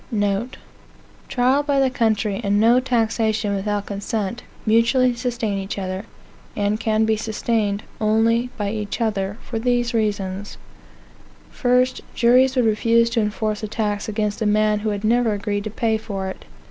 Trial by the country, and no taxation without consent, mutually sustain each other, and can be sustained only by each other, for these reasons: 1. Juries would refuse to enforce a tax against a man who had never agreed to pay it.